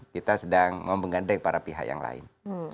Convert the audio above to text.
kita sedang menggandeng para pihak yang lain